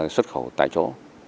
xuất khẩu tại chỗ